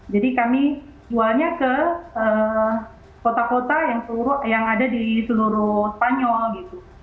jadi kami jualnya ke kota kota yang ada di seluruh spanyol gitu